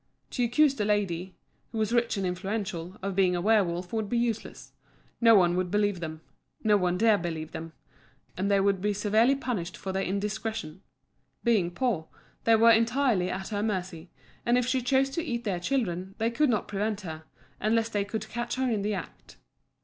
To accuse the lady, who was rich and influential, of being a werwolf would be useless. No one would believe them no one dare believe them and they would be severely punished for their indiscretion. Being poor, they were entirely at her mercy, and if she chose to eat their children, they could not prevent her, unless they could catch her in the act.